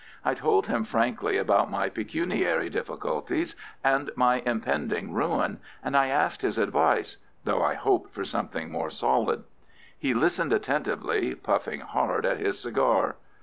I told him frankly about my pecuniary difficulties and my impending ruin, and I asked his advice—though I hoped for something more solid. He listened attentively, puffing hard at his cigar.